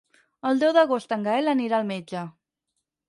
El deu d'agost en Gaël anirà al metge.